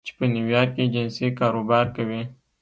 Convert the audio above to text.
چې په نیویارک کې جنسي کاروبار کوي